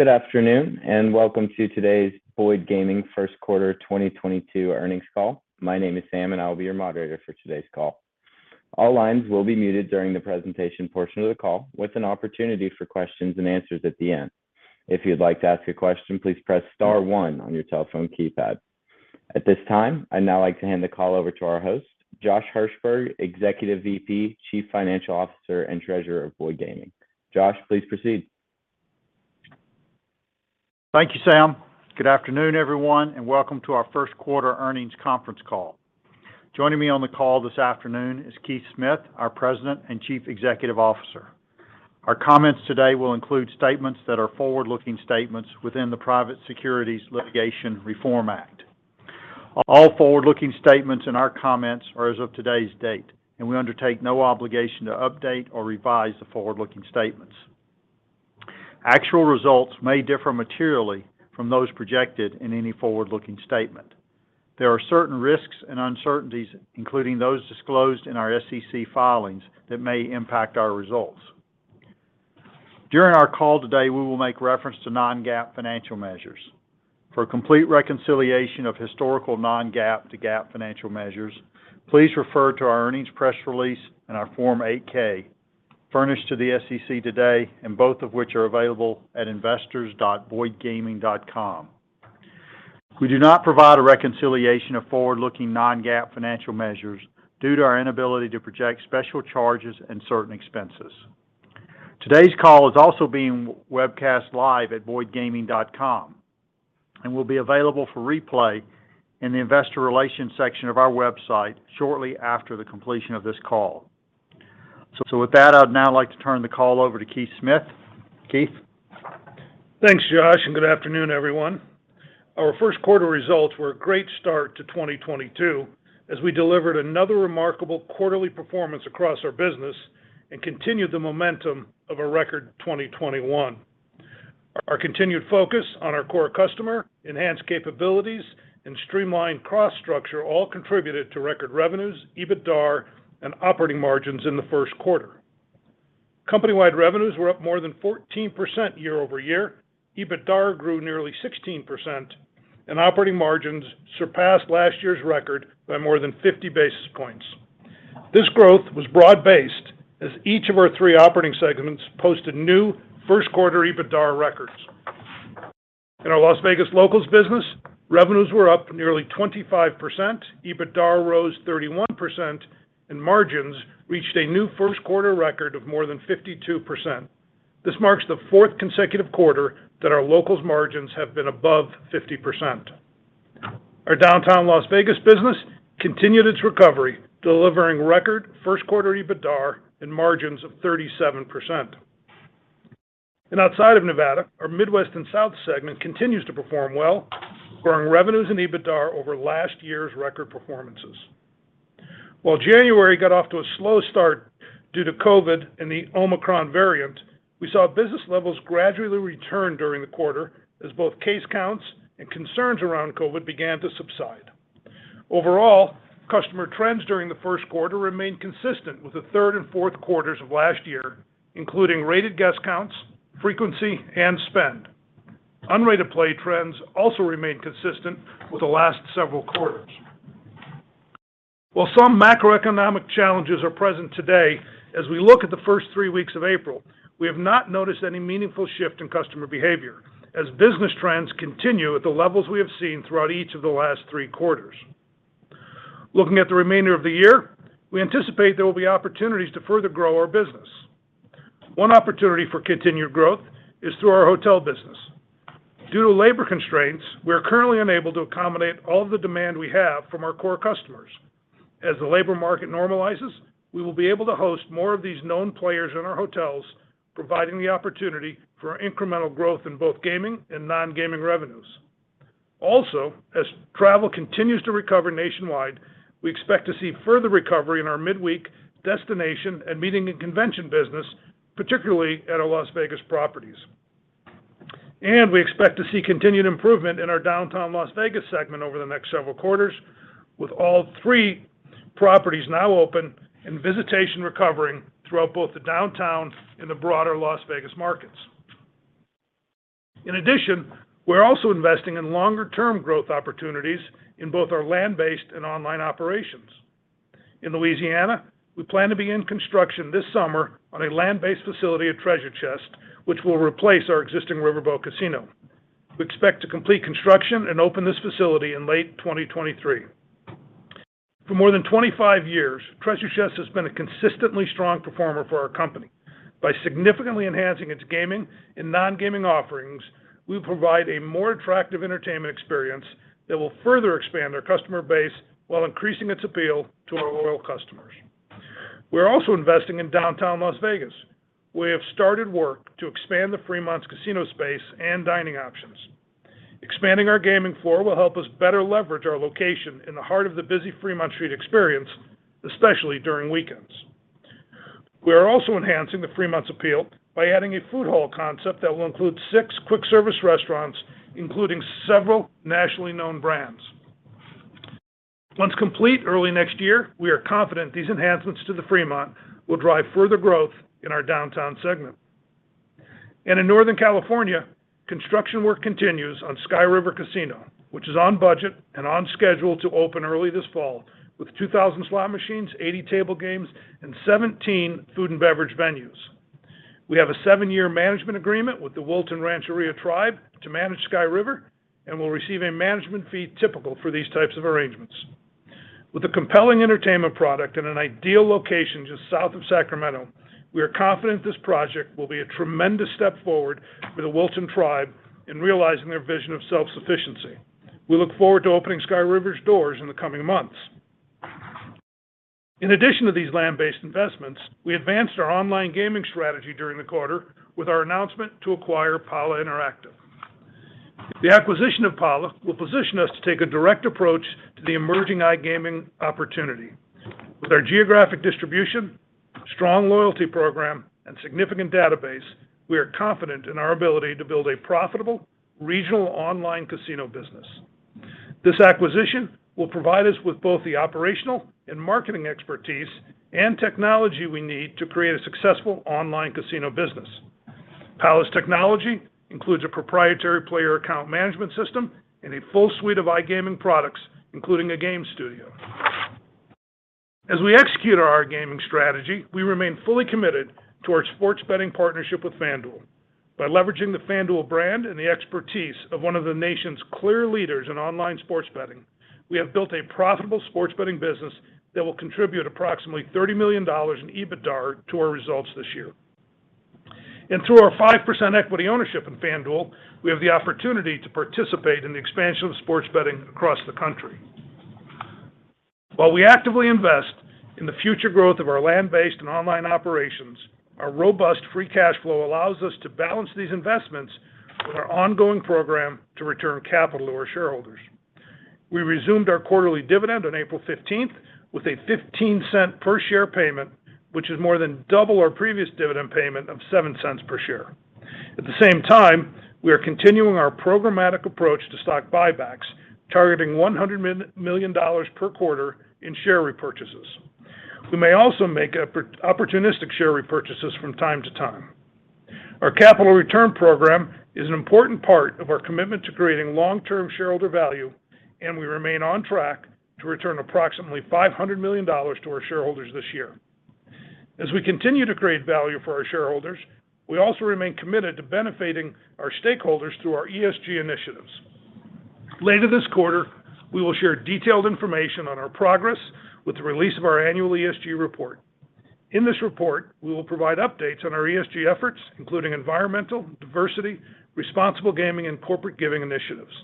Good afternoon, and welcome to today's Boyd Gaming First Quarter 2022 earnings call. My name is Sam, and I will be your moderator for today's call. All lines will be muted during the presentation portion of the call with an opportunity for questions and answers at the end. If you'd like to ask a question, please press star one on your telephone keypad. At this time, I'd now like to hand the call over to our host, Josh Hirsberg, Executive VP, Chief Financial Officer, and Treasurer of Boyd Gaming. Josh, please proceed. Thank you, Sam. Good afternoon, everyone, and welcome to our first quarter earnings conference call. Joining me on the call this afternoon is Keith Smith, our President and Chief Executive Officer. Our comments today will include statements that are forward-looking statements within the Private Securities Litigation Reform Act. All forward-looking statements in our comments are as of today's date, and we undertake no obligation to update or revise the forward-looking statements. Actual results may differ materially from those projected in any forward-looking statement. There are certain risks and uncertainties, including those disclosed in our SEC filings that may impact our results. During our call today, we will make reference to non-GAAP financial measures. For a complete reconciliation of historical non-GAAP to GAAP financial measures, please refer to our earnings press release and our Form 8-K, furnished to the SEC today, and both of which are available at investors.boydgaming.com. We do not provide a reconciliation of forward-looking non-GAAP financial measures due to our inability to project special charges and certain expenses. Today's call is also being webcast live at boydgaming.com and will be available for replay in the investor relations section of our website shortly after the completion of this call. With that, I'd now like to turn the call over to Keith Smith. Keith? Thanks, Josh, and good afternoon, everyone. Our first quarter results were a great start to 2022 as we delivered another remarkable quarterly performance across our business and continued the momentum of a record 2021. Our continued focus on our core customer, enhanced capabilities, and streamlined cost structure all contributed to record revenues, EBITDA, and operating margins in the first quarter. Company-wide revenues were up more than 14% year-over-year. EBITDA grew nearly 16%, and operating margins surpassed last year's record by more than 50 basis points. This growth was broad-based as each of our three operating segments posted new first quarter EBITDA records. In our Las Vegas Locals business, revenues were up nearly 25%, EBITDA rose 31%, and margins reached a new first-quarter record of more than 52%. This marks the fourth consecutive quarter that our Locals margins have been above 50%. Our Downtown Las Vegas business continued its recovery, delivering record first quarter EBITDA and margins of 37%. Outside of Nevada, our Midwest and South segment continues to perform well, growing revenues and EBITDA over last year's record performances. While January got off to a slow start due to COVID and the Omicron variant, we saw business levels gradually return during the quarter as both case counts and concerns around COVID began to subside. Overall, customer trends during the first quarter remained consistent with the third and fourth quarters of last year, including rated guest counts, frequency, and spend. Unrated play trends also remained consistent with the last several quarters. While some macroeconomic challenges are present today, as we look at the first three weeks of April, we have not noticed any meaningful shift in customer behavior as business trends continue at the levels we have seen throughout each of the last three quarters. Looking at the remainder of the year, we anticipate there will be opportunities to further grow our business. One opportunity for continued growth is through our hotel business. Due to labor constraints, we are currently unable to accommodate all the demand we have from our core customers. As the labor market normalizes, we will be able to host more of these known players in our hotels, providing the opportunity for incremental growth in both gaming and non-gaming revenues. Also, as travel continues to recover nationwide, we expect to see further recovery in our midweek destination and meeting and convention business, particularly at our Las Vegas properties. We expect to see continued improvement in our Downtown Las Vegas segment over the next several quarters with all three properties now open and visitation recovering throughout both the downtown and the broader Las Vegas markets. In addition, we're also investing in longer-term growth opportunities in both our land-based and online operations. In Louisiana, we plan to begin construction this summer on a land-based facility at Treasure Chest, which will replace our existing riverboat casino. We expect to complete construction and open this facility in late 2023. For more than 25 years, Treasure Chest has been a consistently strong performer for our company. By significantly enhancing its gaming and non-gaming offerings, we will provide a more attractive entertainment experience that will further expand our customer base while increasing its appeal to our loyal customers. We're also investing in Downtown Las Vegas. We have started work to expand the Fremont's casino space and dining options. Expanding our gaming floor will help us better leverage our location in the heart of the busy Fremont Street Experience, especially during weekends. We are also enhancing the Fremont's appeal by adding a food hall concept that will include six quick-service restaurants, including several nationally known brands. Once complete early next year, we are confident these enhancements to the Fremont will drive further growth in our downtown segment. In Northern California, construction work continues on Sky River Casino, which is on budget and on schedule to open early this fall with 2,000 slot machines, 80 table games, and 17 food and beverage venues. We have a 7-year management agreement with the Wilton Rancheria Tribe to manage Sky River and will receive a management fee typical for these types of arrangements. With a compelling entertainment product and an ideal location just south of Sacramento, we are confident this project will be a tremendous step forward for the Wilton Tribe in realizing their vision of self-sufficiency. We look forward to opening Sky River's doors in the coming months. In addition to these land-based investments, we advanced our online gaming strategy during the quarter with our announcement to acquire Pala Interactive. The acquisition of Pala will position us to take a direct approach to the emerging iGaming opportunity. With our geographic distribution, strong loyalty program, and significant database, we are confident in our ability to build a profitable regional online casino business. This acquisition will provide us with both the operational and marketing expertise and technology we need to create a successful online casino business. Pala's technology includes a proprietary player account management system and a full suite of iGaming products, including a game studio. As we execute our iGaming strategy, we remain fully committed to our sports betting partnership with FanDuel. By leveraging the FanDuel brand and the expertise of one of the nation's clear leaders in online sports betting, we have built a profitable sports betting business that will contribute approximately $30 million in EBITDA to our results this year. Through our 5% equity ownership in FanDuel, we have the opportunity to participate in the expansion of sports betting across the country. While we actively invest in the future growth of our land-based and online operations, our robust free cash flow allows us to balance these investments with our ongoing program to return capital to our shareholders. We resumed our quarterly dividend on April 15th with a $0.15 per share payment, which is more than double our previous dividend payment of $0.07 per share. At the same time, we are continuing our programmatic approach to stock buybacks, targeting $100 million per quarter in share repurchases. We may also make opportunistic share repurchases from time to time. Our capital return program is an important part of our commitment to creating long-term shareholder value, and we remain on track to return approximately $500 million to our shareholders this year. As we continue to create value for our shareholders, we also remain committed to benefiting our stakeholders through our ESG initiatives. Later this quarter, we will share detailed information on our progress with the release of our annual ESG report. In this report, we will provide updates on our ESG efforts, including environmental, diversity, responsible gaming, and corporate giving initiatives.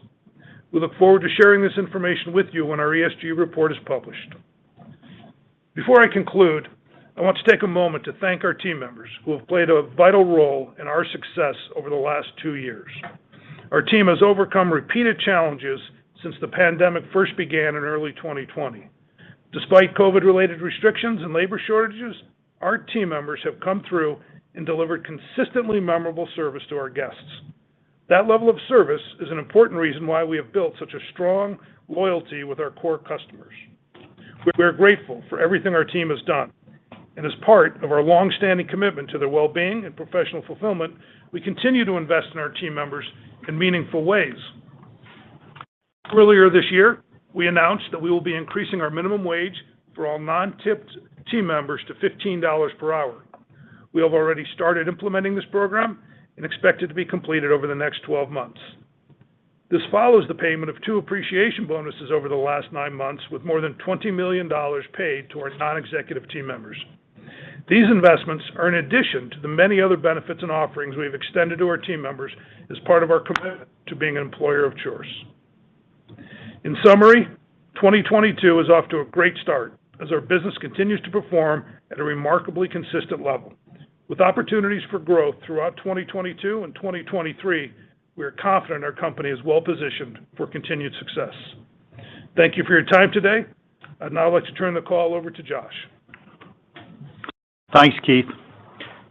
We look forward to sharing this information with you when our ESG report is published. Before I conclude, I want to take a moment to thank our team members who have played a vital role in our success over the last two years. Our team has overcome repeated challenges since the pandemic first began in early 2020. Despite COVID-related restrictions and labor shortages, our team members have come through and delivered consistently memorable service to our guests. That level of service is an important reason why we have built such a strong loyalty with our core customers. We're grateful for everything our team has done, and as part of our long-standing commitment to their well-being and professional fulfillment, we continue to invest in our team members in meaningful ways. Earlier this year, we announced that we will be increasing our minimum wage for all non-tipped team members to $15 per hour. We have already started implementing this program and expect it to be completed over the next 12 months. This follows the payment of two appreciation bonuses over the last nine months, with more than $20 million paid to our non-executive team members. These investments are in addition to the many other benefits and offerings we've extended to our team members as part of our commitment to being an employer of choice. In summary, 2022 is off to a great start as our business continues to perform at a remarkably consistent level. With opportunities for growth throughout 2022 and 2023, we are confident our company is well-positioned for continued success. Thank you for your time today. I'd now like to turn the call over to Josh. Thanks, Keith.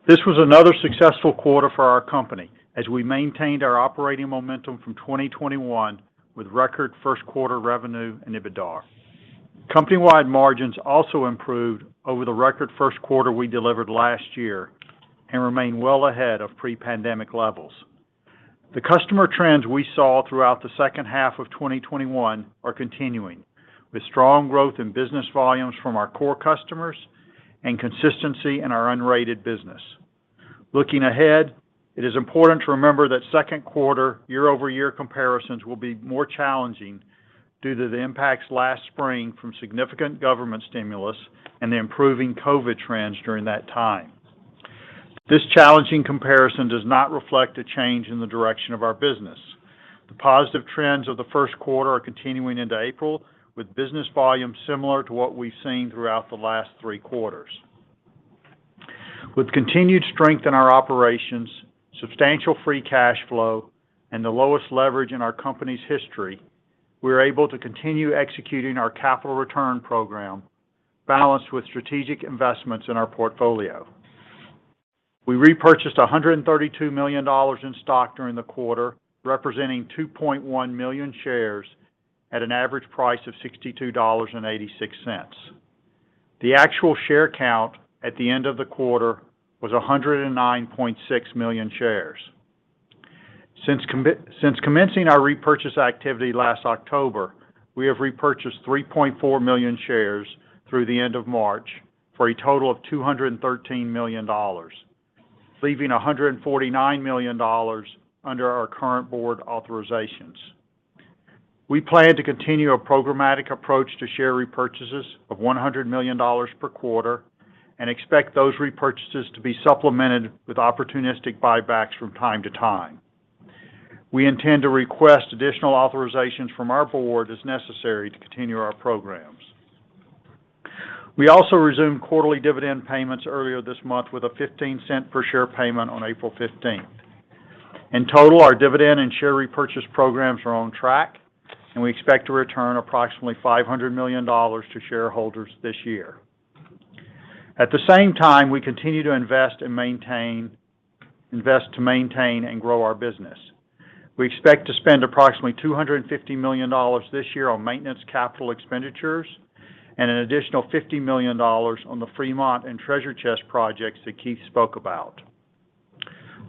This was another successful quarter for our company as we maintained our operating momentum from 2021 with record first quarter revenue and EBITDA. Company-wide margins also improved over the record first quarter we delivered last year and remain well ahead of pre-pandemic levels. The customer trends we saw throughout the second half of 2021 are continuing, with strong growth in business volumes from our core customers and consistency in our unrated business. Looking ahead, it is important to remember that second quarter year-over-year comparisons will be more challenging due to the impacts last spring from significant government stimulus and the improving COVID trends during that time. This challenging comparison does not reflect a change in the direction of our business. The positive trends of the first quarter are continuing into April, with business volumes similar to what we've seen throughout the last three quarters. With continued strength in our operations, substantial free cash flow, and the lowest leverage in our company's history, we are able to continue executing our capital return program balanced with strategic investments in our portfolio. We repurchased $132 million in stock during the quarter, representing 2.1 million shares at an average price of $62.86. The actual share count at the end of the quarter was 109.6 million shares. Since commencing our repurchase activity last October, we have repurchased 3.4 million shares through the end of March for a total of $213 million, leaving $149 million under our current board authorizations. We plan to continue a programmatic approach to share repurchases of $100 million per quarter and expect those repurchases to be supplemented with opportunistic buybacks from time to time. We intend to request additional authorizations from our board as necessary to continue our programs. We also resumed quarterly dividend payments earlier this month with a $0.15 per share payment on April 15. In total, our dividend and share repurchase programs are on track, and we expect to return approximately $500 million to shareholders this year. At the same time, we continue to invest to maintain and grow our business. We expect to spend approximately $250 million this year on maintenance capital expenditures and an additional $50 million on the Fremont and Treasure Chest projects that Keith spoke about.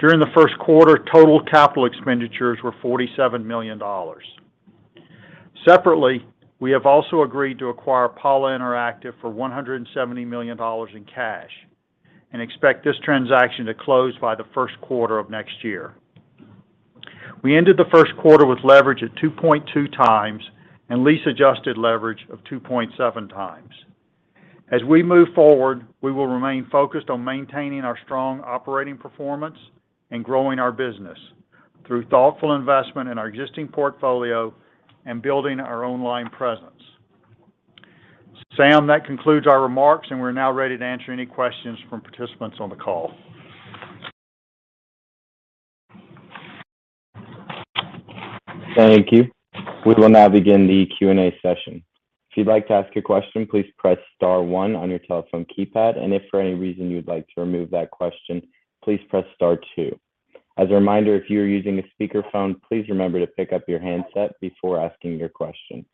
During the first quarter, total capital expenditures were $47 million. Separately, we have also agreed to acquire Pala Interactive for $170 million in cash and expect this transaction to close by the first quarter of next year. We ended the first quarter with leverage at 2.2x and lease-adjusted leverage of 2.7x. As we move forward, we will remain focused on maintaining our strong operating performance and growing our business through thoughtful investment in our existing portfolio and building our online presence. Sam, that concludes our remarks, and we're now ready to answer any questions from participants on the call. Thank you. We will now begin the Q&A session. If you'd like to ask a question, please press star one on your telephone keypad. If for any reason you would like to remove that question, please press star two. As a reminder, if you are using a speakerphone, please remember to pick up your handset before asking your question.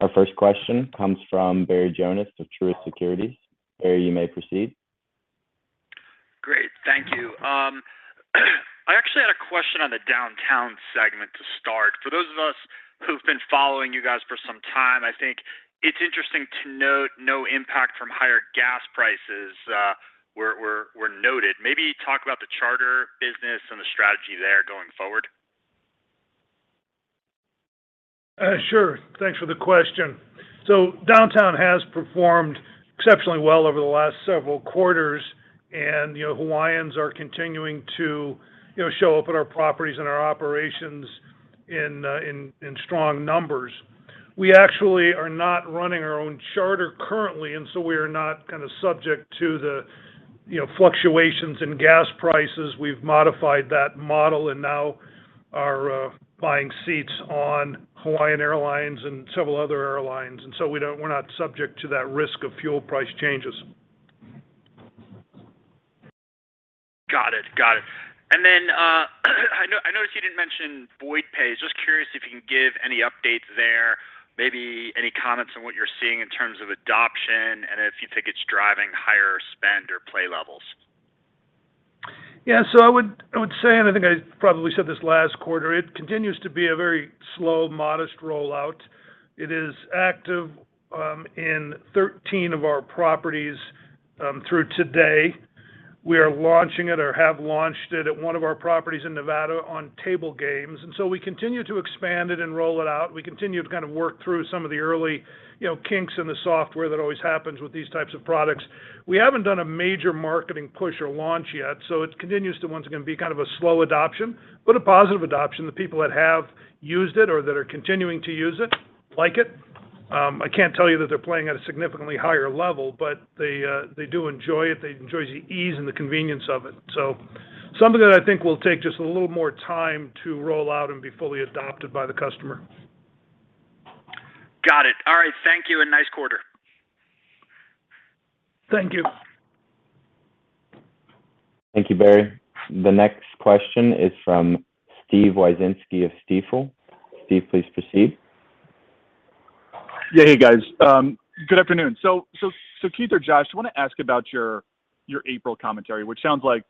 Our first question comes from Barry Jonas of Truist Securities. Barry, you may proceed. Great. Thank you. I actually had a question on the Downtown segment to start. For those of us who've been following you guys for some time, I think it's interesting to note no impact from higher gas prices were noted. Maybe talk about the charter business and the strategy there going forward. Sure. Thanks for the question. Downtown has performed exceptionally well over the last several quarters and, you know, Hawaiians are continuing to, you know, show up at our properties and our operations in strong numbers. We actually are not running our own charter currently, and so we are not kind of subject to the, you know, fluctuations in gas prices. We've modified that model and now are buying seats on Hawaiian Airlines and several other airlines, and so we're not subject to that risk of fuel price changes. Got it. I noticed you didn't mention Boyd Pay. Just curious if you can give any updates there, maybe any comments on what you're seeing in terms of adoption and if you think it's driving higher spend or play levels? Yeah. I would say, and I think I probably said this last quarter, it continues to be a very slow, modest rollout. It is active in 13 of our properties through today. We are launching it or have launched it at one of our properties in Nevada on table games, and so we continue to expand it and roll it out. We continue to kind of work through some of the early, you know, kinks in the software that always happens with these types of products. We haven't done a major marketing push or launch yet, so it continues to, once again, be kind of a slow adoption, but a positive adoption. The people that have used it or that are continuing to use it like it. I can't tell you that they're playing at a significantly higher level, but they do enjoy it. They enjoy the ease and the convenience of it. Something that I think will take just a little more time to roll out and be fully adopted by the customer. Got it. All right. Thank you, and nice quarter. Thank you. Thank you, Barry. The next question is from Steve Wieczynski of Stifel. Steve, please proceed. Yeah. Hey, guys. Good afternoon. Keith or Josh, I wanna ask about your April commentary, which sounds like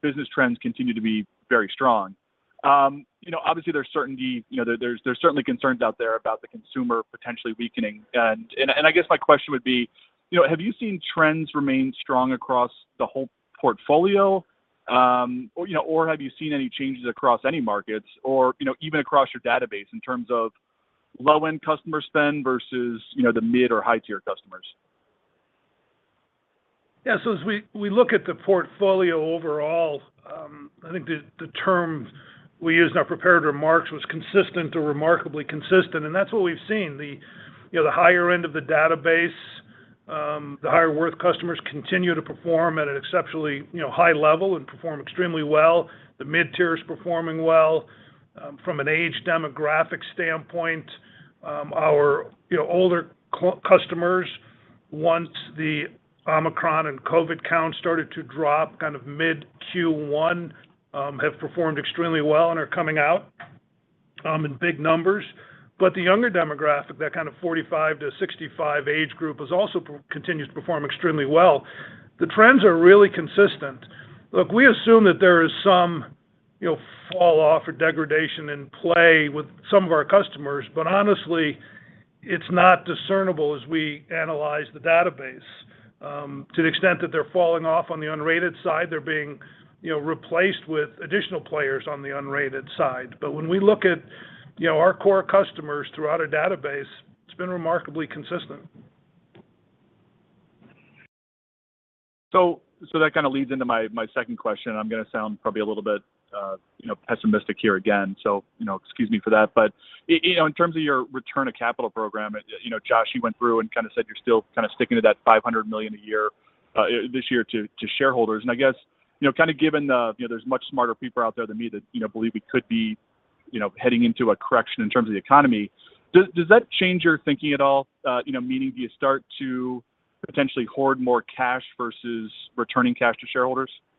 business trends continue to be very strong. There's uncertainty. There's certainly concerns out there about the consumer potentially weakening. I guess my question would be, have you seen trends remain strong across the whole portfolio, or have you seen any changes across any markets or even across your database in terms of low-end customer spend versus the mid or high-tier customers? Yeah. As we look at the portfolio overall, I think the term we used in our prepared remarks was consistent to remarkably consistent, and that's what we've seen. You know, the higher end of the database, the higher worth customers continue to perform at an exceptionally, you know, high level and perform extremely well. The mid-tier is performing well. From an age demographic standpoint Our, you know, older customers, once the Omicron and COVID counts started to drop kind of mid Q1, have performed extremely well and are coming out in big numbers. The younger demographic, that kind of 45-65 age group, is also continues to perform extremely well. The trends are really consistent. Look, we assume that there is some, you know, fall off or degradation in play with some of our customers, but honestly, it's not discernible as we analyze the database. To the extent that they're falling off on the unrated side, they're being, you know, replaced with additional players on the unrated side. When we look at, you know, our core customers throughout our database, it's been remarkably consistent. That kind of leads into my second question. I'm gonna sound probably a little bit, you know, pessimistic here again, so, you know, excuse me for that. But you know, in terms of your return to capital program, you know, Josh, you went through and kind of said you're still kind of sticking to that $500 million a year, this year to shareholders. And I guess, you know, kind of given the, you know, there's much smarter people out there than me that, you know, believe we could be, you know, heading into a correction in terms of the economy. Does that change your thinking at all? You know, meaning do you start to potentially hoard more cash versus returning cash to shareholders? Yeah,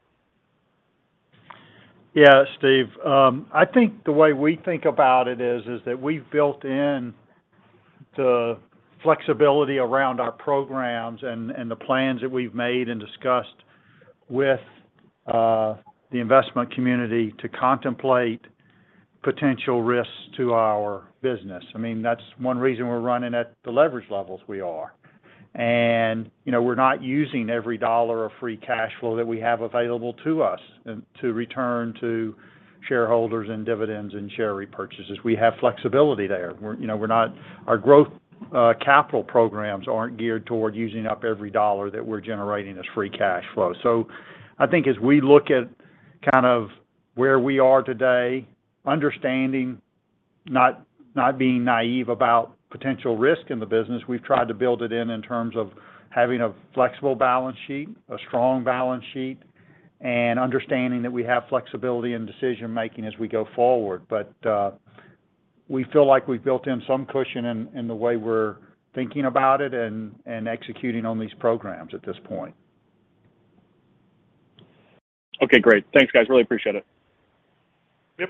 Steve. I think the way we think about it is that we've built in the flexibility around our programs and the plans that we've made and discussed with the investment community to contemplate potential risks to our business. I mean, that's one reason we're running at the leverage levels we are. You know, we're not using every dollar of free cash flow that we have available to us to return to shareholders and dividends and share repurchases. We have flexibility there. You know, our growth capital programs aren't geared toward using up every dollar that we're generating as free cash flow. I think as we look at kind of where we are today, understanding, not being naive about potential risk in the business, we've tried to build it in terms of having a flexible balance sheet, a strong balance sheet, and understanding that we have flexibility in decision-making as we go forward. We feel like we've built in some cushion in the way we're thinking about it and executing on these programs at this point. Okay, great. Thanks, guys. Really appreciate it. Yep.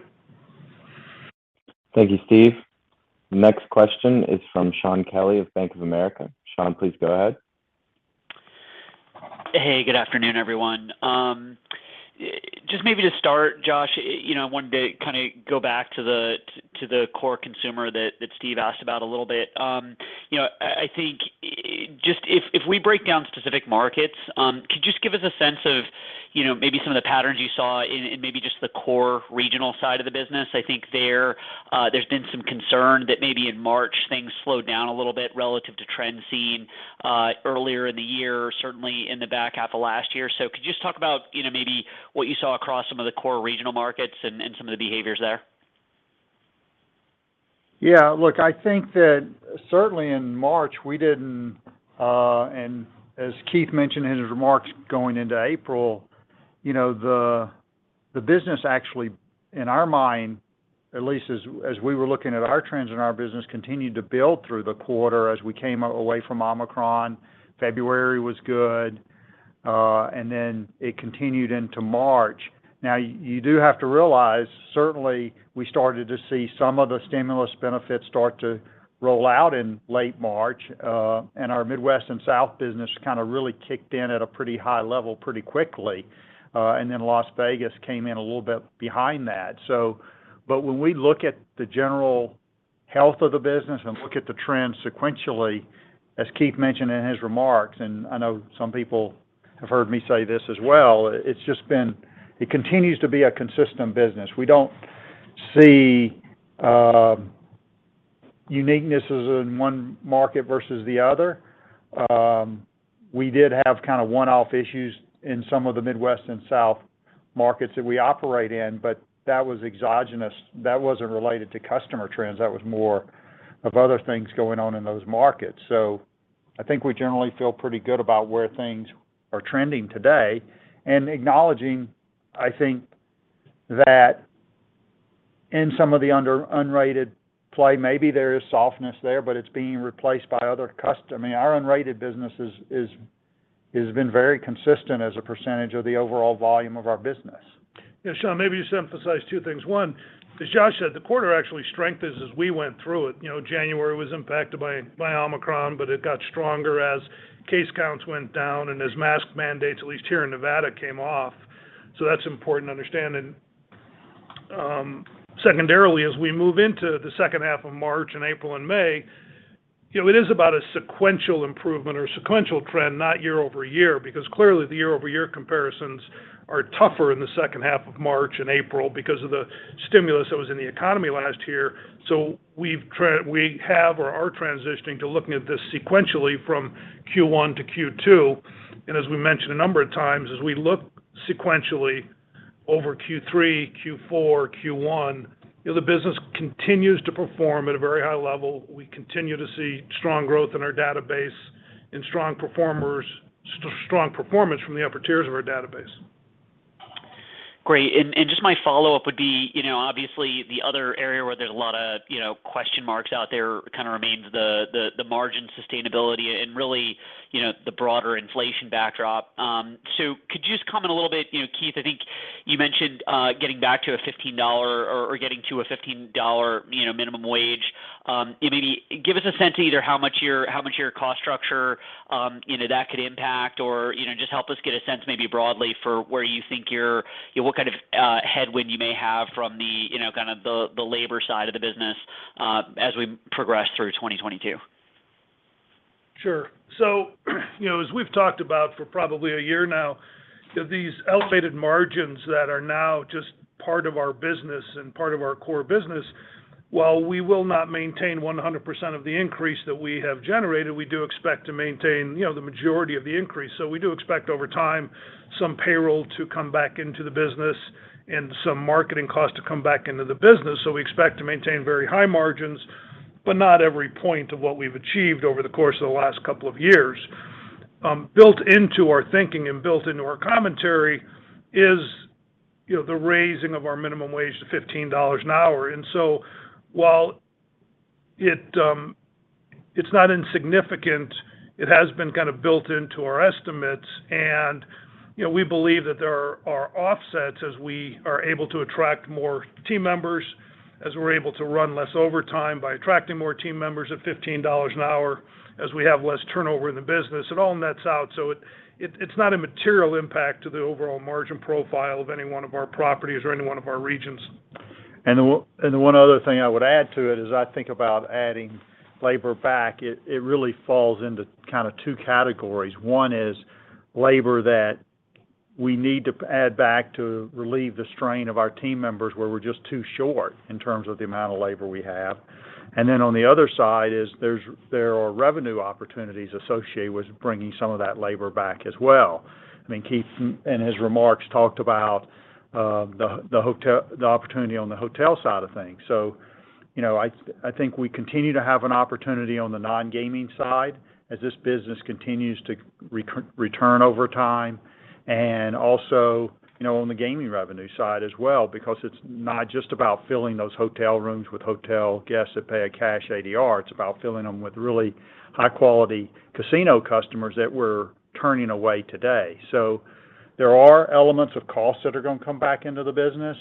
Thank you, Steve. Next question is from Shaun Kelley of Bank of America. Shaun, please go ahead. Hey, good afternoon, everyone. Just maybe to start, Josh, you know, I wanted to kind of go back to the core consumer that Steve asked about a little bit. You know, I think just if we break down specific markets, could you just give us a sense of, you know, maybe some of the patterns you saw in maybe just the core regional side of the business? I think there's been some concern that maybe in March things slowed down a little bit relative to trends seen earlier in the year, certainly in the back half of last year. Could you just talk about, you know, maybe what you saw across some of the core regional markets and some of the behaviors there? Yeah, look, I think that certainly in March, we didn't, and as Keith mentioned in his remarks going into April, you know, the business actually, in our mind, at least as we were looking at our trends in our business, continued to build through the quarter as we came away from Omicron. February was good, and then it continued into March. Now you do have to realize, certainly, we started to see some of the stimulus benefits start to roll out in late March, and our Midwest and South business kind of really kicked in at a pretty high level pretty quickly. And then Las Vegas came in a little bit behind that. When we look at the general health of the business and look at the trends sequentially, as Keith mentioned in his remarks, and I know some people have heard me say this as well, it's just been, it continues to be a consistent business. We don't see uniquenesses in one market versus the other. We did have kind of one-off issues in some of the Midwest and South markets that we operate in, but that was exogenous. That wasn't related to customer trends. That was more of other things going on in those markets. I think we generally feel pretty good about where things are trending today and acknowledging, I think, that in some of the unrated play, maybe there is softness there, but it's being replaced by other I mean, our unrated business is has been very consistent as a percentage of the overall volume of our business. Yeah, Shaun, maybe just emphasize two things. One, as Josh said, the quarter actually strengthened as we went through it. You know, January was impacted by Omicron, but it got stronger as case counts went down and as mask mandates, at least here in Nevada, came off. That's important to understand. Secondarily, as we move into the second half of March and April and May, you know, it is about a sequential improvement or sequential trend, not year-over-year, because clearly the year-over-year comparisons are tougher in the second half of March and April because of the stimulus that was in the economy last year. We've tran-- we have or are transitioning to looking at this sequentially from Q1 to Q2. As we mentioned a number of times, as we look sequentially over Q3, Q4, Q1, you know, the business continues to perform at a very high level. We continue to see strong growth in our database and strong performers, strong performance from the upper tiers of our database. Great. Just my follow-up would be, you know, obviously, the other area where there's a lot of, you know, question marks out there kind of remains the margin sustainability and really, you know, the broader inflation backdrop. So could you just comment a little bit, you know, Keith, I think you mentioned getting back to a $15 or getting to a $15, you know, minimum wage. And maybe give us a sense either how much your cost structure, you know, that could impact or, you know, just help us get a sense maybe broadly for where you think your what kind of headwind you may have from the, you know, kind of the labor side of the business as we progress through 2022. Sure. You know, as we've talked about for probably a year now, these elevated margins that are now just part of our business and part of our core business, while we will not maintain 100% of the increase that we have generated, we do expect to maintain, you know, the majority of the increase. We do expect over time some payroll to come back into the business and some marketing costs to come back into the business. We expect to maintain very high margins, but not every point of what we've achieved over the course of the last couple of years. Built into our thinking and built into our commentary is, you know, the raising of our minimum wage to $15 an hour. While it's not insignificant, it has been kind of built into our estimates. You know, we believe that there are offsets as we are able to attract more team members, as we're able to run less overtime by attracting more team members at $15 an hour, as we have less turnover in the business. It all nets out, so it's not a material impact to the overall margin profile of any one of our properties or any one of our regions. The one other thing I would add to it, as I think about adding labor back, it really falls into kind of two categories. One is labor that we need to add back to relieve the strain of our team members, where we're just too short in terms of the amount of labor we have. Then on the other side there are revenue opportunities associated with bringing some of that labor back as well. I mean, Keith in his remarks talked about the hotel opportunity on the hotel side of things. You know, I think we continue to have an opportunity on the non-gaming side as this business continues to return over time. Also, you know, on the gaming revenue side as well, because it's not just about filling those hotel rooms with hotel guests that pay a cash ADR, it's about filling them with really high-quality casino customers that we're turning away today. There are elements of costs that are going to come back into the business.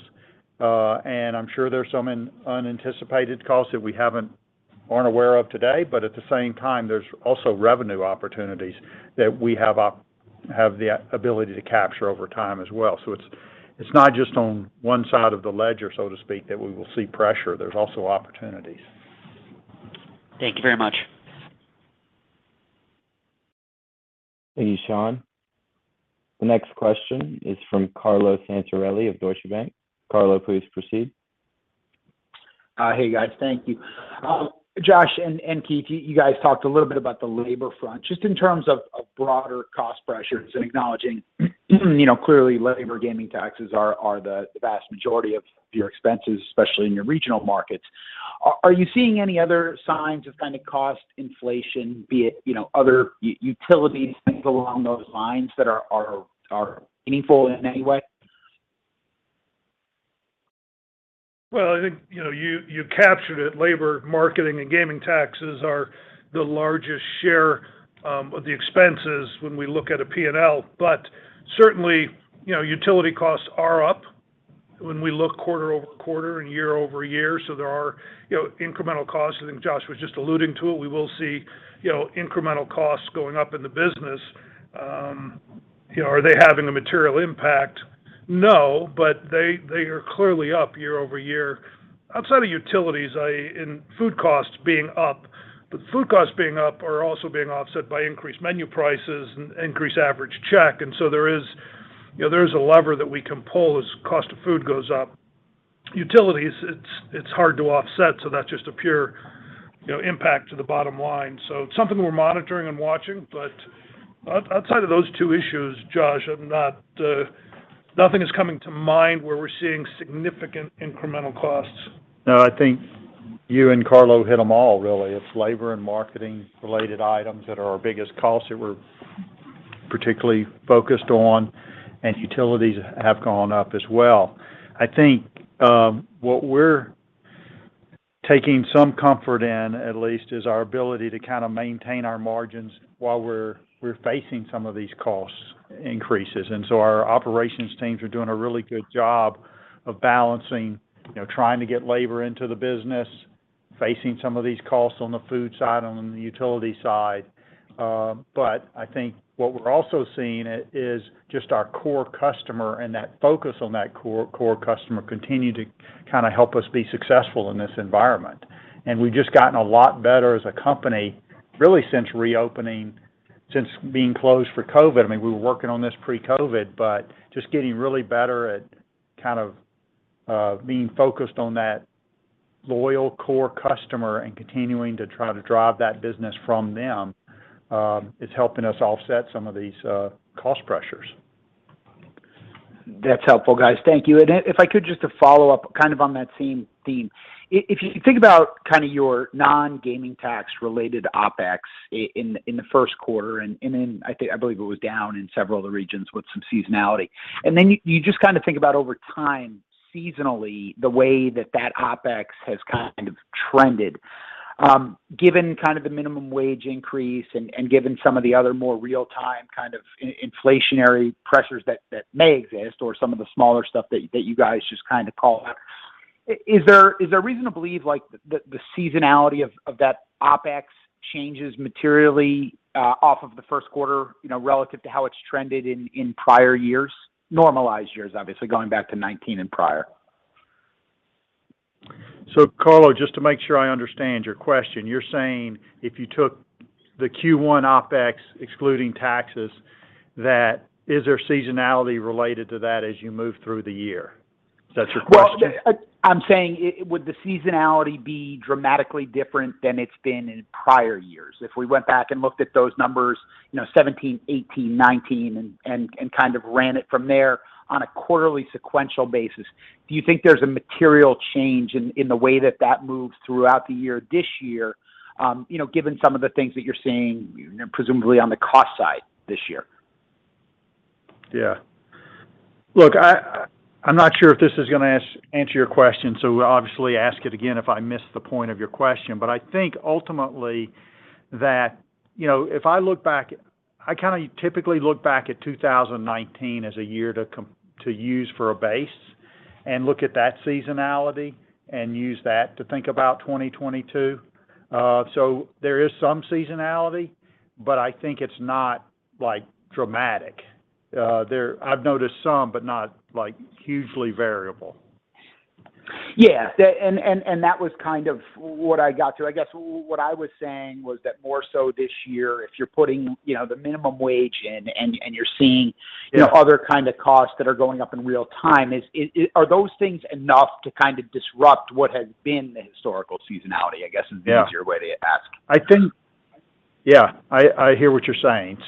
I'm sure there's some unanticipated costs that we aren't aware of today, but at the same time, there's also revenue opportunities that we have the ability to capture over time as well. It's not just on one side of the ledger, so to speak, that we will see pressure. There's also opportunities. Thank you very much. Thank you, Shaun. The next question is from Carlo Santarelli of Deutsche Bank. Carlo, please proceed. Hey, guys. Thank you. Josh and Keith, you guys talked a little bit about the labor front. Just in terms of broader cost pressures and acknowledging, you know, clearly labor, gaming taxes are the vast majority of your expenses, especially in your regional markets. Are you seeing any other signs of kind of cost inflation, be it, you know, other utilities, things along those lines that are meaningful in any way? Well, I think, you know, you captured it. Labor, marketing, and gaming taxes are the largest share of the expenses when we look at a P&L. Certainly, you know, utility costs are up when we look quarter-over-quarter and year-over-year. There are, you know, incremental costs. I think Josh was just alluding to it. We will see, you know, incremental costs going up in the business. You know, are they having a material impact? No, but they are clearly up year-over-year. Outside of utilities, food costs being up are also being offset by increased menu prices and increased average check. There is, you know, a lever that we can pull as cost of food goes up. Utilities, it's hard to offset, so that's just a pure, you know, impact to the bottom line. It's something we're monitoring and watching. Outside of those two issues, Josh, nothing is coming to mind where we're seeing significant incremental costs. No, I think you and Carlo hit them all really. It's labor and marketing related items that are our biggest costs that we're particularly focused on, and utilities have gone up as well. I think what we're taking some comfort in at least is our ability to kind of maintain our margins while we're facing some of these cost increases. Our operations teams are doing a really good job of balancing, you know, trying to get labor into the business, facing some of these costs on the food side and on the utility side. I think what we're also seeing is just our core customer and that focus on that core customer continue to kind of help us be successful in this environment. We've just gotten a lot better as a company, really since reopening, since being closed for COVID. I mean, we were working on this pre-COVID, but just getting really better at kind of being focused on that loyal core customer and continuing to try to drive that business from them is helping us offset some of these cost pressures. That's helpful, guys. Thank you. If I could just to follow up kind of on that same theme. If you think about kind of your non-gaming tax related OpEx in the first quarter, and then I believe it was down in several of the regions with some seasonality. Then you just kind of think about over time, seasonally, the way that that OpEx has kind of trended. Given kind of the minimum wage increase and given some of the other more real-time kind of inflationary pressures that may exist or some of the smaller stuff that you guys just kind of call. Is there reason to believe like the seasonality of that OpEx changes materially off of the first quarter, you know, relative to how it's trended in prior years? Normalized years, obviously, going back to 2019 and prior. Carlo, just to make sure I understand your question. You're saying if you took the Q1 OpEx excluding taxes, that is there seasonality related to that as you move through the year? Is that your question? Well, I'm saying, would the seasonality be dramatically different than it's been in prior years? If we went back and looked at those numbers, you know, 2017, 2018, 2019, and kind of ran it from there on a quarterly sequential basis, do you think there's a material change in the way that moves throughout the year this year, you know, given some of the things that you're seeing presumably on the cost side this year? Yeah. Look, I'm not sure if this is gonna answer your question, so obviously ask it again if I missed the point of your question. I think ultimately that, you know, if I look back. I kind of typically look back at 2019 as a year to use for a base and look at that seasonality and use that to think about 2022. There is some seasonality, but I think it's not like dramatic. I've noticed some, but not like hugely variable. That was kind of what I got to. I guess what I was saying was that more so this year, if you're putting you know the minimum wage in and you're seeing- Yeah.... you know, other kind of costs that are going up in real time, are those things enough to kind of disrupt what has been the historical seasonality, I guess, is the easier way to ask? I think. Yeah, I hear what you're saying.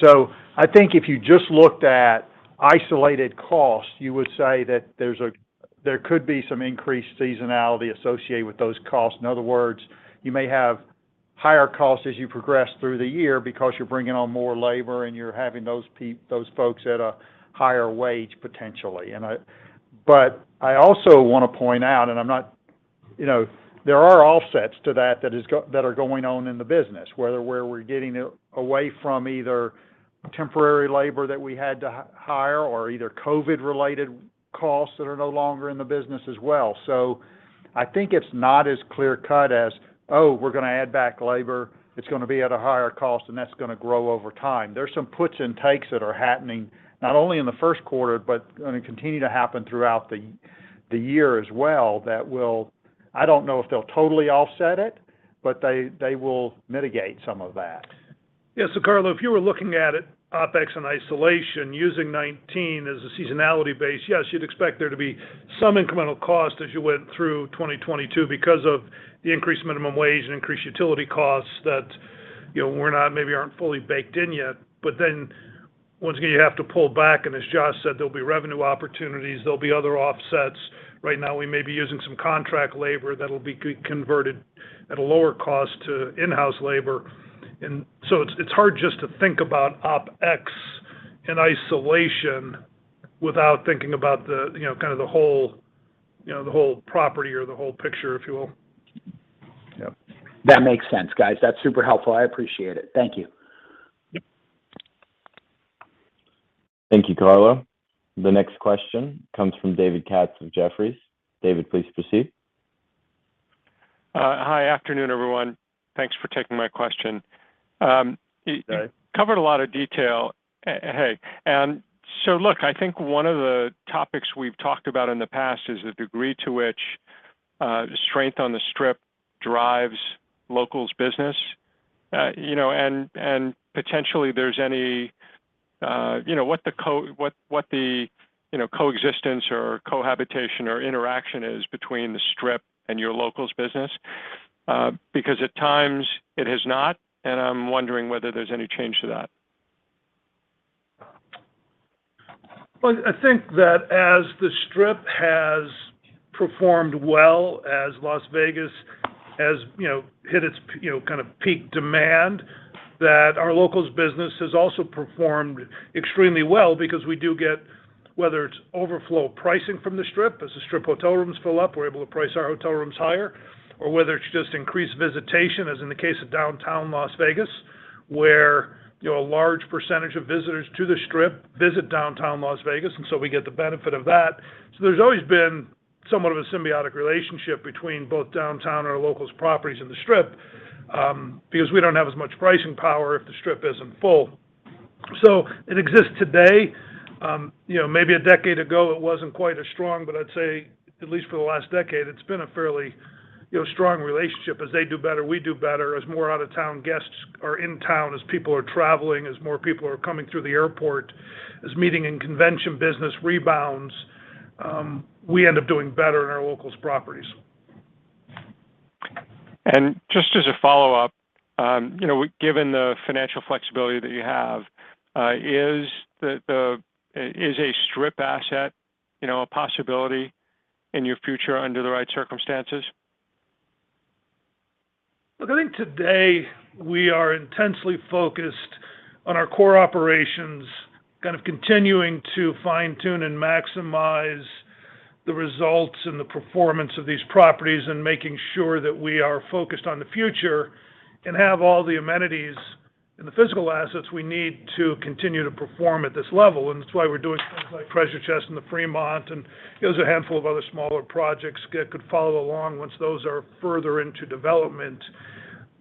I think if you just looked at isolated costs, you would say that there could be some increased seasonality associated with those costs. In other words, you may have higher costs as you progress through the year because you're bringing on more labor and you're having those folks at a higher wage, potentially. I also want to point out. You know, there are offsets to that that are going on in the business, where we're getting away from either temporary labor that we had to hire or COVID-related costs that are no longer in the business as well. I think it's not as clear cut as, oh, we're gonna add back labor, it's gonna be at a higher cost, and that's gonna grow over time. There's some puts and takes that are happening not only in the first quarter, but gonna continue to happen throughout the year as well that will. I don't know if they'll totally offset it, but they will mitigate some of that. Yeah. Carlo, if you were looking at it OpEx in isolation using 2019 as a seasonality base, yes, you'd expect there to be some incremental cost as you went through 2022 because of the increased minimum wage and increased utility costs that, you know, were not maybe aren't fully baked in yet. Once again, you have to pull back, and as Josh said, there'll be revenue opportunities, there'll be other offsets. Right now, we may be using some contract labor that'll be converted at a lower cost to in-house labor. It's hard just to think about OpEx in isolation without thinking about the, you know, kind of the whole, you know, the whole property or the whole picture, if you will. Yeah. That makes sense, guys. That's super helpful. I appreciate it. Thank you. Yep. Thank you, Carlo. The next question comes from David Katz from Jefferies. David, please proceed. Hi. Afternoon, everyone. Thanks for taking my question. All right. You covered a lot of detail. Look, I think one of the topics we've talked about in the past is the degree to which strength on the Strip drives locals business, you know, potentially is there any, you know, what the coexistence or cohabitation or interaction is between the Strip and your locals business, because at times it has not, and I'm wondering whether there's any change to that. Well, I think that as the Strip has performed well, as Las Vegas has, you know, hit its peak demand, that our locals business has also performed extremely well because we do get, whether it's overflow pricing from the Strip. As the Strip hotel rooms fill up, we're able to price our hotel rooms higher. Or whether it's just increased visitation, as in the case of downtown Las Vegas, where, you know, a large percentage of visitors to the Strip visit downtown Las Vegas, and so we get the benefit of that. There's always been somewhat of a symbiotic relationship between both downtown and our locals properties in the Strip, because we don't have as much pricing power if the Strip isn't full. It exists today. You know, maybe a decade ago, it wasn't quite as strong, but I'd say at least for the last decade, it's been a fairly, you know, strong relationship. As they do better, we do better. As more out-of-town guests are in town, as people are traveling, as more people are coming through the airport, as meeting and convention business rebounds, we end up doing better in our locals properties. Just as a follow-up, you know, given the financial flexibility that you have, is a Strip asset, you know, a possibility in your future under the right circumstances? Look, I think today we are intensely focused on our core operations, kind of continuing to fine-tune and maximize the results and the performance of these properties and making sure that we are focused on the future and have all the amenities and the physical assets we need to continue to perform at this level. That's why we're doing things like Treasure Chest in the Fremont, and there's a handful of other smaller projects could follow along once those are further into development.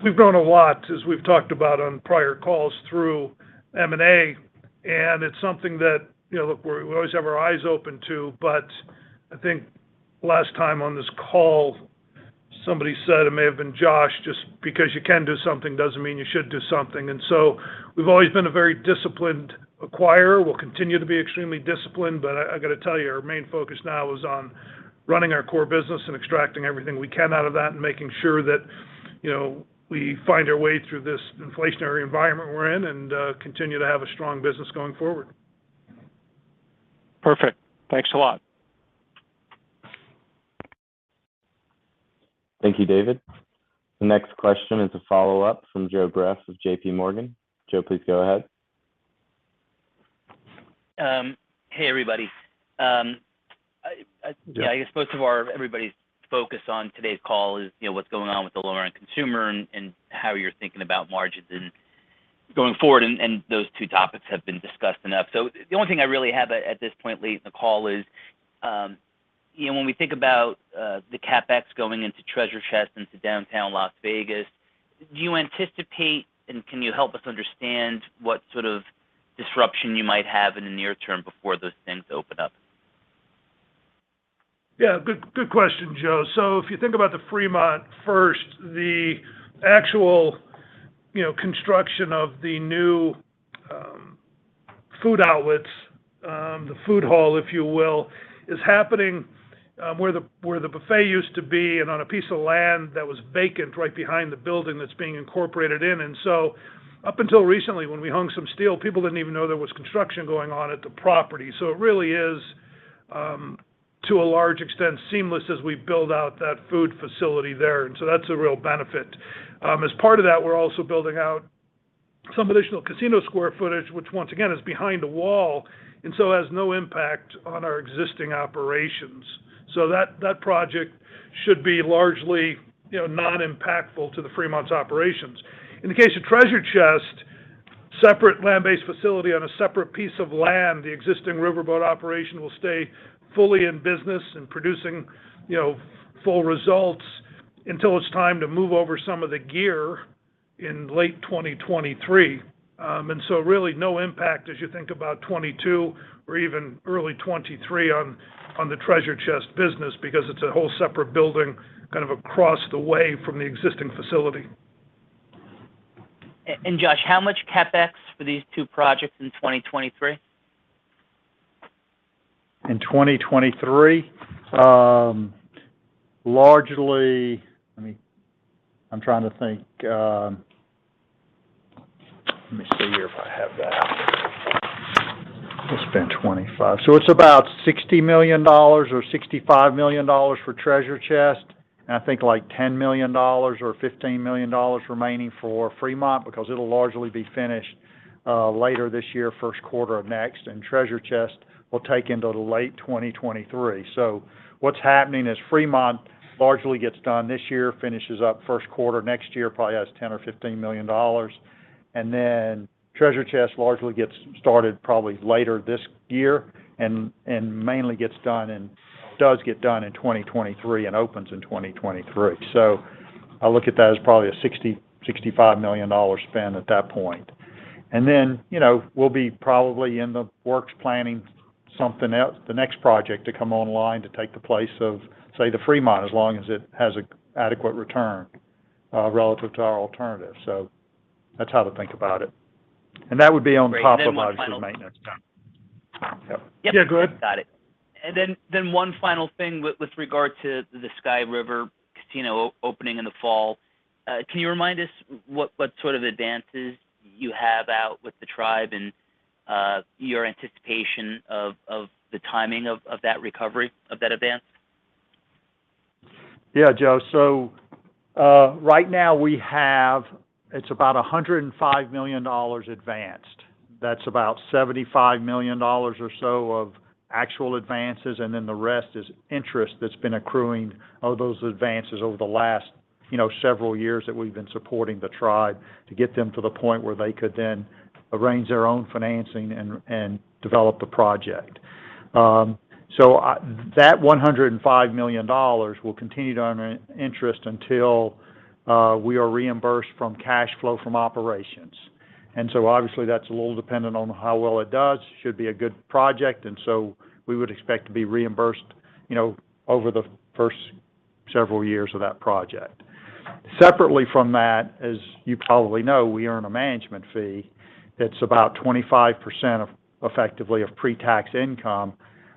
We've grown a lot, as we've talked about on prior calls, through M&A, and it's something that, you know, look, we always have our eyes open to. I think last time on this call, somebody said, it may have been Josh, just because you can do something doesn't mean you should do something. We've always been a very disciplined acquirer. We'll continue to be extremely disciplined. I gotta tell you, our main focus now is on running our core business and extracting everything we can out of that and making sure that, you know, we find our way through this inflationary environment we're in and continue to have a strong business going forward. Perfect. Thanks a lot. Thank you, David. The next question is a follow-up from Joe Greff of J.P. Morgan. Joe, please go ahead. Hey, everybody. Yeah. Yeah, I guess most of our everybody's focus on today's call is, you know, what's going on with the lower-end consumer and how you're thinking about margins and going forward, and those two topics have been discussed enough. The only thing I really have at this point late in the call is, you know, when we think about the CapEx going into Treasure Chest into downtown Las Vegas, do you anticipate, and can you help us understand what sort of disruption you might have in the near term before those things open up? Yeah, good question, Joe. If you think about the Fremont first, the actual, you know, construction of the new, food outlets, the food hall, if you will, is happening, where the buffet used to be and on a piece of land that was vacant right behind the building that's being incorporated in. Up until recently, when we hung some steel, people didn't even know there was construction going on at the property. It really is, to a large extent, seamless as we build out that food facility there. That's a real benefit. As part of that, we're also building out some additional casino square footage, which once again is behind a wall and so has no impact on our existing operations. That project should be largely, you know, non-impactful to the Fremont's operations. In the case of Treasure Chest, separate land-based facility on a separate piece of land. The existing riverboat operation will stay fully in business and producing, you know, full results until it's time to move over some of the gear in late 2023. Really no impact as you think about 2022 or even early 2023 on the Treasure Chest business because it's a whole separate building kind of across the way from the existing facility. Josh, how much CapEx for these two projects in 2023? In 2023? It's been 25. So it's about $60 million or $65 million for Treasure Chest, and I think like $10 million or $15 million remaining for Fremont because it'll largely be finished later this year, first quarter of next. Treasure Chest will take into the late 2023. So what's happening is Fremont largely gets done this year, finishes up first quarter next year, probably has $10 million or $15 million. Then Treasure Chest largely gets started probably later this year and mainly gets done and does get done in 2023 and opens in 2023. So I look at that as probably a $60 million-$65 million spend at that point. You know, we'll be probably in the works planning the next project to come online to take the place of, say, the Fremont, as long as it has an adequate return relative to our alternative. That's how to think about it. That would be on top of- Great. One final. Obviously the maintenance stuff. Yeah. Yep. Yeah, go ahead. Got it. One final thing with regard to the Sky River Casino opening in the fall. Can you remind us what sort of advances you have out with the tribe and your anticipation of the timing of that recovery of that event? Yeah, Joe. Right now we have, it's about $105 million advanced. That's about $75 million or so of actual advances, and then the rest is interest that's been accruing of those advances over the last, you know, several years that we've been supporting the tribe to get them to the point where they could then arrange their own financing and develop the project. That $105 million will continue to earn interest until we are reimbursed from cash flow from operations. Obviously that's a little dependent on how well it does. Should be a good project, and so we would expect to be reimbursed, you know, over the first several years of that project. Separately from that, as you probably know, we earn a management fee that's about 25% of, effectively, pre-tax income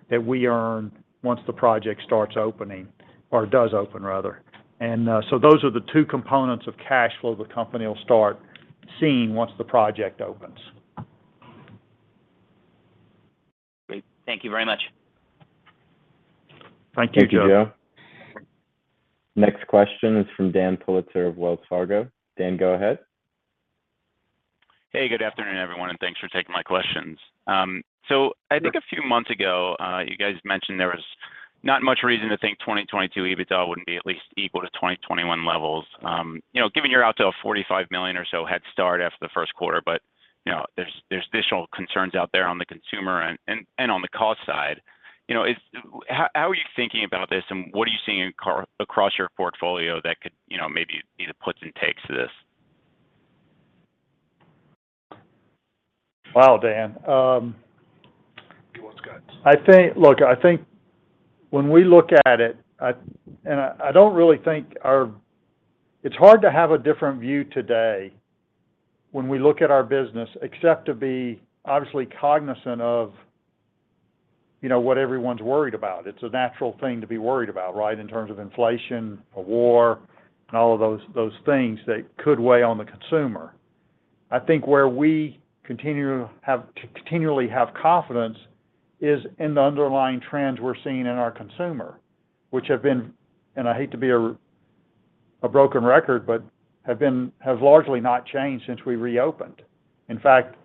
that we earn once the project starts opening or does open rather. Those are the two components of cash flow the company will start seeing once the project opens. Great. Thank you very much. Thank you, Joe. Thank you, Joe. Next question is from Dan Politzer of Wells Fargo. Dan, go ahead. Hey, good afternoon everyone, and thanks for taking my questions. I think- Sure. A few months ago, you guys mentioned there was not much reason to think 2022 EBITDA wouldn't be at least equal to 2021 levels. You know, given you're out to a $45 million or so head start after the first quarter, but you know, there's additional concerns out there on the consumer end, and on the cost side. You know, how are you thinking about this, and what are you seeing across your portfolio that could, you know, maybe be the puts and takes to this? Well, Dan. Go once, guys. Look, I think when we look at it, I don't really think. It's hard to have a different view today when we look at our business, except to be obviously cognizant of, you know, what everyone's worried about. It's a natural thing to be worried about, right? In terms of inflation, a war, and all of those things that could weigh on the consumer. I think where we continue to have confidence is in the underlying trends we're seeing in our consumer, which have been, and I hate to be a broken record, but have largely not changed since we reopened. In fact,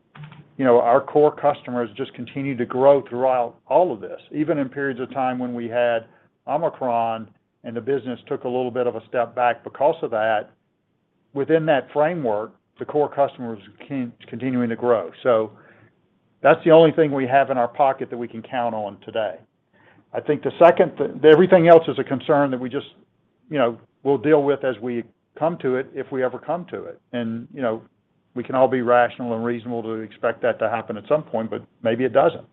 you know, our core customers just continue to grow throughout all of this. Even in periods of time when we had Omicron and the business took a little bit of a step back because of that, within that framework, the core customers keep continuing to grow. So that's the only thing we have in our pocket that we can count on today. I think everything else is a concern that we just, you know, we'll deal with as we come to it, if we ever come to it. You know, we can all be rational and reasonable to expect that to happen at some point, but maybe it doesn't.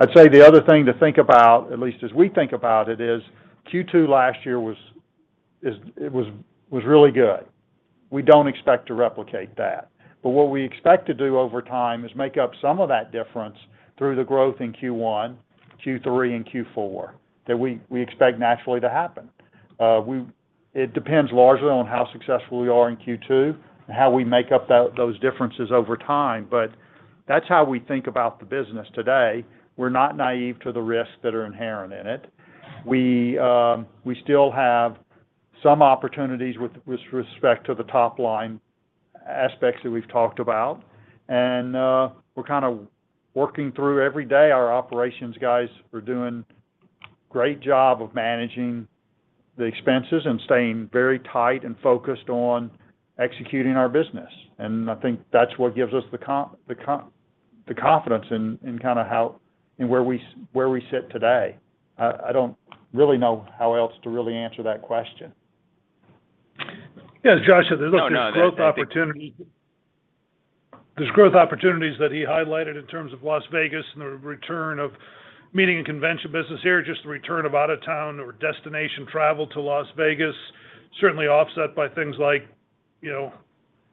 I'd say the other thing to think about, at least as we think about it, is Q2 last year was really good. We don't expect to replicate that. What we expect to do over time is make up some of that difference through the growth in Q1, Q3, and Q4 that we expect naturally to happen. It depends largely on how successful we are in Q2 and how we make up those differences over time. That's how we think about the business today. We're not naive to the risks that are inherent in it. We still have some opportunities with respect to the top line aspects that we've talked about. We're kind of working through every day. Our operations guys are doing great job of managing the expenses and staying very tight and focused on executing our business. I think that's what gives us the confidence in kind of how and where we sit today. I don't really know how else to really answer that question. Yeah. As Josh said, there's- No. That... Those growth opportunity. There's growth opportunities that he highlighted in terms of Las Vegas and the return of meeting and convention business here. Just the return of out of town or destination travel to Las Vegas, certainly offset by things like, you know,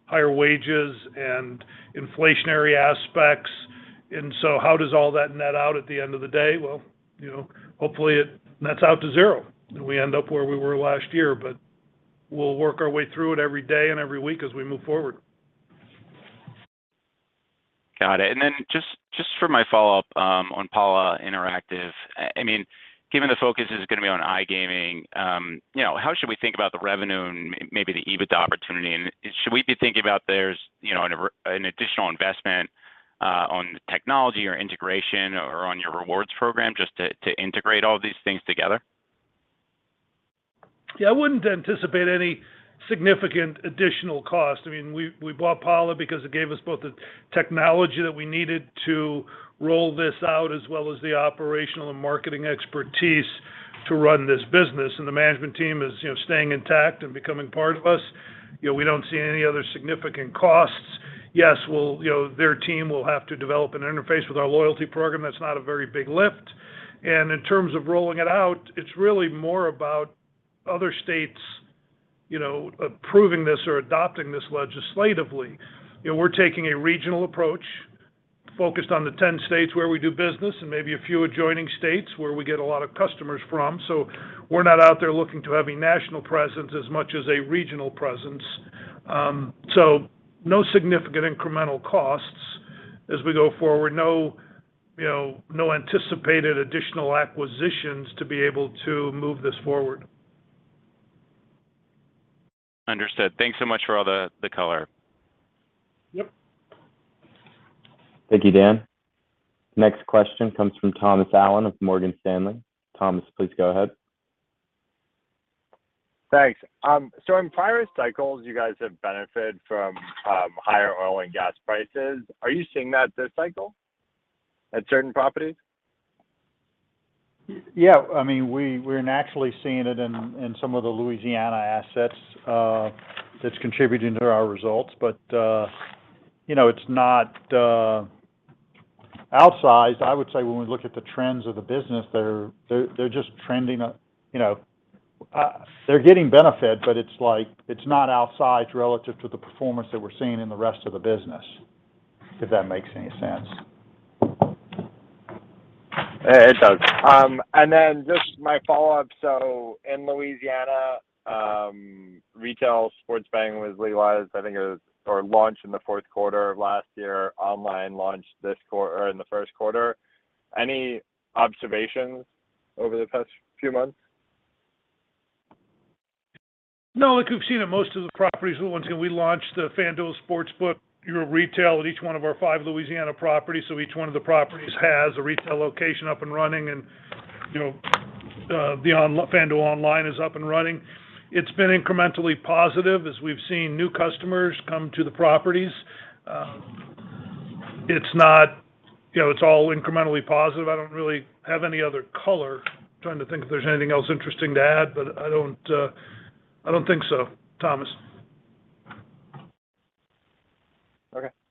higher wages and inflationary aspects. How does all that net out at the end of the day? Well, you know, hopefully it nets out to zero, and we end up where we were last year. We'll work our way through it every day and every week as we move forward. Got it. Just for my follow-up on Pala Interactive. I mean, given the focus is gonna be on iGaming, you know, how should we think about the revenue and maybe the EBITDA opportunity? Should we be thinking about there's, you know, an additional investment on technology or integration or on your rewards program just to integrate all of these things together? Yeah, I wouldn't anticipate any significant additional cost. I mean, we bought Pala because it gave us both the technology that we needed to roll this out, as well as the operational and marketing expertise to run this business. The management team is, you know, staying intact and becoming part of us. You know, we don't see any other significant costs. Yes, we'll. You know, their team will have to develop an interface with our loyalty program. That's not a very big lift. In terms of rolling it out, it's really more about other states, you know, approving this or adopting this legislatively. You know, we're taking a regional approach focused on the 10 states where we do business and maybe a few adjoining states where we get a lot of customers from. We're not out there looking to have a national presence as much as a regional presence. No significant incremental costs as we go forward. No, you know, no anticipated additional acquisitions to be able to move this forward. Understood. Thanks so much for all the color. Yep. Thank you, Dan. Next question comes from Thomas Allen of Morgan Stanley. Thomas, please go ahead. Thanks. In prior cycles, you guys have benefited from higher oil and gas prices. Are you seeing that this cycle at certain properties? Yeah. I mean, we're naturally seeing it in some of the Louisiana assets, that's contributing to our results. You know, it's not outsized. I would say when we look at the trends of the business, they're just trending, you know. They're getting benefit, but it's like, it's not outsized relative to the performance that we're seeing in the rest of the business, if that makes sense. It does. Just my follow-up. In Louisiana, retail sports betting was legalized or launched in the fourth quarter of last year. Online launched in the first quarter. Any observations over the past few months? No. Look, we've seen that most of the properties, once we launched the FanDuel sports book, our retail at each one of our five Louisiana properties, so each one of the properties has a retail location up and running and, you know, FanDuel online is up and running. It's been incrementally positive as we've seen new customers come to the properties. It's not, you know, it's all incrementally positive. I don't really have any other color. Trying to think if there's anything else interesting to add, but I don't think so, Thomas.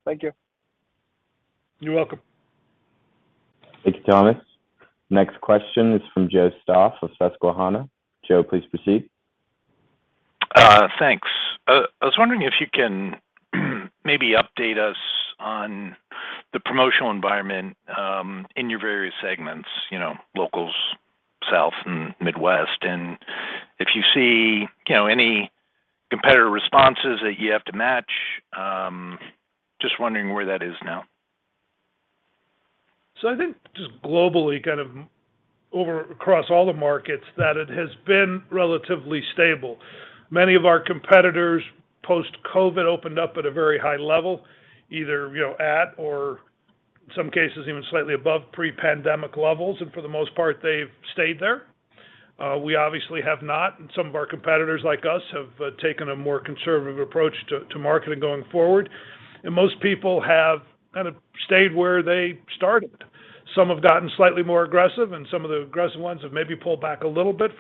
Okay, thank you. You're welcome. Thank you, Thomas. Next question is from Joe Stauff of Susquehanna. Joe, please proceed. Thanks. I was wondering if you can maybe update us on the promotional environment in your various segments, you know, Locals, South, and Midwest. If you see, you know, any competitor responses that you have to match. Just wondering where that is now. I think just globally, kind of over across all the markets, that it has been relatively stable. Many of our competitors, post-COVID, opened up at a very high level, either, you know, at or some cases even slightly above pre-pandemic levels. For the most part, they've stayed there. We obviously have not, and some of our competitors like us have taken a more conservative approach to marketing going forward. Most people have kind of stayed where they started. Some have gotten slightly more aggressive, and some of the aggressive ones have maybe pulled back a little bit.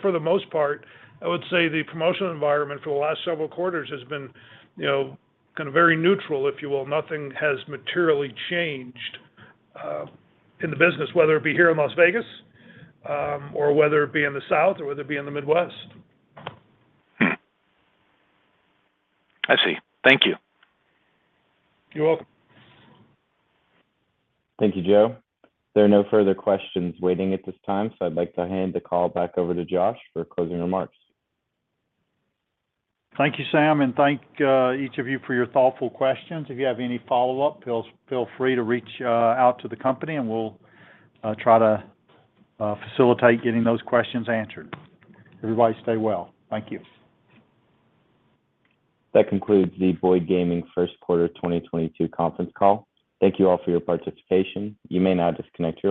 For the most part, I would say the promotional environment for the last several quarters has been, you know, kind of very neutral, if you will. Nothing has materially changed in the business, whether it be here in Las Vegas, or whether it be in the South or whether it be in the Midwest. Hmm. I see. Thank you. You're welcome. Thank you, Joe. There are no further questions waiting at this time, so I'd like to hand the call back over to Josh for closing remarks. Thank you, Sam, and each of you for your thoughtful questions. If you have any follow-up, feel free to reach out to the company and we'll try to facilitate getting those questions answered. Everybody stay well. Thank you. That concludes the Boyd Gaming First Quarter 2022 conference call. Thank you all for your participation. You may now disconnect your line.